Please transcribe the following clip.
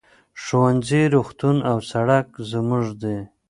ښوونځی، روغتون او سرک زموږ دي.